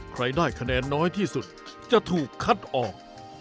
ใครได้คะแนนน้อยที่สุดจะถูกคัดออก